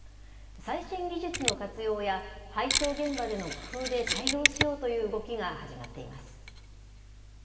最新技術の活用や、配送現場での工夫で対応しようという動きが始まっています。